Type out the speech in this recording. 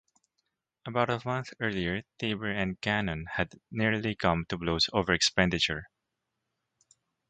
About a month earlier Taber and Cannon had nearly come to blows over expenditure.